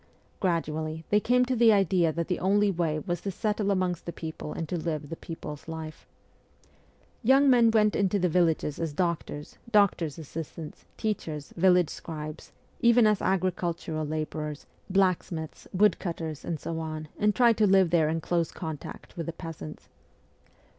Gradually, they came to the idea that the only way was to settle amongst the people and to live the people's life. Young men went into the villages as doctors, doctors' assistants, teachers, village scribes, even as ST. PETERSBURG 91 agricultural labourers, blacksmiths, woodcutters, and so on, and tried to live there in close contact with the peasants.